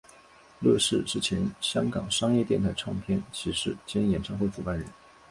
乐仕是前香港商业电台唱片骑师兼演唱会主办人。